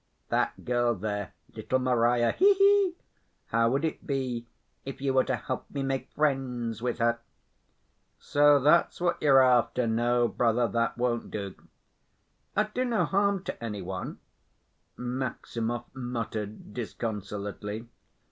"That girl there, little Marya, he he! How would it be if you were to help me make friends with her?" "So that's what you're after! No, brother, that won't do!" "I'd do no harm to any one," Maximov muttered disconsolately.